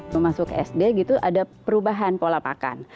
memasuk sd ada perubahan pola makan